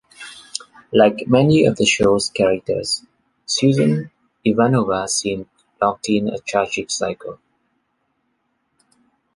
Like many of the show's characters, Susan Ivanova seemed locked in a tragic cycle.